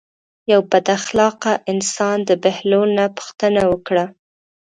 یو بد اخلاقه انسان د بهلول نه پوښتنه وکړه.